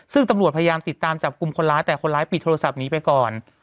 ซึ่งตำรวจพยายามติดตามจับกลุ่มคนร้ายแต่คนร้ายปิดโทรศัพท์หนีไปก่อน